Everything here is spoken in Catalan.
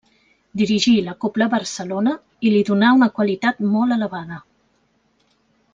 Dirigí la Cobla Barcelona i li donà una qualitat molt elevada.